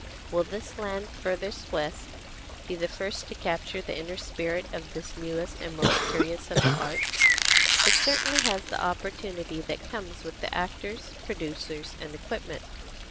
Will this land furthest west be the first to capture the inner spirit of this newest and most curious of the arts? It certainly has the opportunity that comes with the actors, producers, and equipment.